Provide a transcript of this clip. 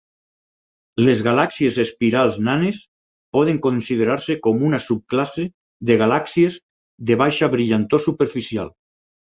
Les galàxies espirals nanes poden considerar-se com una subclasse de galàxies de baixa brillantor superficial.